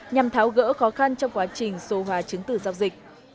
nhằm tháo gỡ khó khăn trong quá trình sô hòa chứng tử giao dịch